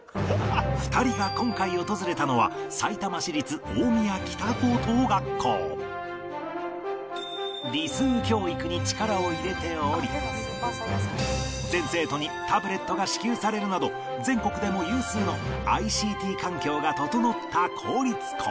２人が今回訪れたのは理数教育に力を入れており全生徒にタブレットが支給されるなど全国でも有数の ＩＣＴ 環境が整った公立校